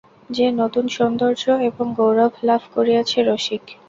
যে নূতন সৌন্দর্য এবং গৌরব লাভ করিয়াছে– রসিক।